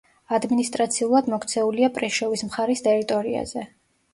ადმინისტრაციულად მოქცეულია პრეშოვის მხარის ტერიტორიაზე.